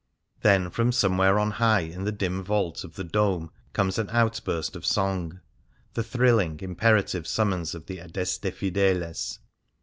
Then from somewhere on high in the dim vault of the dome comes an outburst of song — the thrilling, imperative summons of the " Adeste Fideles."